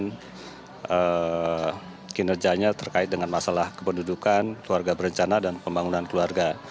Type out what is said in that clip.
kinerjanya terkait dengan masalah kependudukan keluarga berencana dan pembangunan keluarga